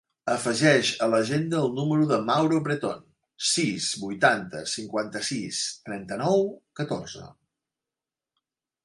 Afegeix a l'agenda el número del Mauro Breton: sis, vuitanta, cinquanta-sis, trenta-nou, catorze.